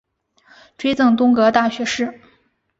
追赠东阁大学士。